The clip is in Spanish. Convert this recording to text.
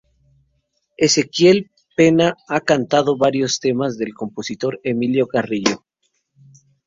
Ezequiel Pena ha cantado varios temas de Compositor Emilio Carrillo.